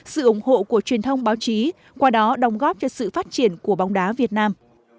sự ủng hộ của truyền thông báo chí qua đó đồng góp cho sự phát triển của bóng đá việt nam